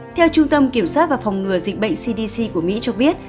theo trung tâm kiểm soát và phòng ngừa dịch bệnh cdc của mỹ cho biết